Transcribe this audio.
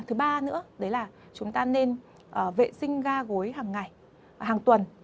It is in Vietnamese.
thứ ba nữa là chúng ta nên vệ sinh ga gối hàng tuần